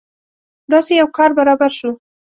داسې یو کار برابر شو.